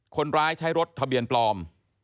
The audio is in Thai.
คนร้ายใช้รถทะเบียนปลอม